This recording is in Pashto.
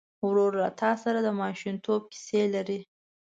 ورور له تا سره د ماشومتوب کیسې لري.